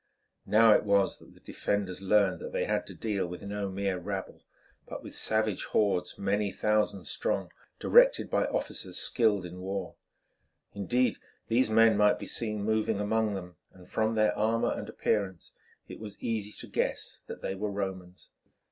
Now it was that the defenders learned that they had to deal with no mere rabble, but with savage hordes, many thousands strong, directed by officers skilled in war. Indeed these men might be seen moving among them, and from their armour and appearance it was easy to guess that they were Romans.